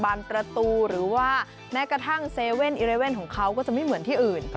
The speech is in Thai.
ประตูหรือว่าแม้กระทั่ง๗๑๑ของเขาก็จะไม่เหมือนที่อื่น